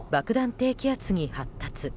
低気圧に発達。